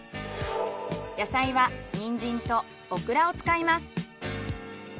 野菜はニンジンとオクラを使います。